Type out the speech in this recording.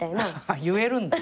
言えるんだね。